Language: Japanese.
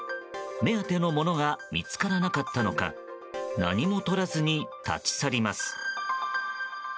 目当てのものが見つからなかったのか何もとらずに立ち去ります。